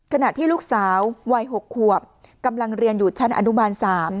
ขณะที่ลูกสาววัย๖ขวบกำลังเรียนอยู่ชั้นอนุบาล๓